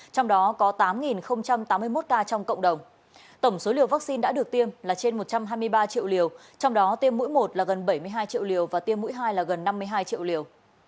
trong đó có tám tám mươi một ca trong cộng đồng tổng số liều vaccine đã được tiêm là trên một trăm hai mươi ba triệu liều trong đó tiêm mũi một là gần bảy mươi hai triệu liều và tiêm mũi hai là gần năm mươi hai triệu liều